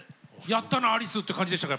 やったなアリスって感じでしたか？